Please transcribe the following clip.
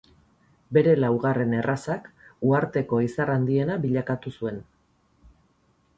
Bere laugarren errazak uharteko izar handiena bilakatu zuen.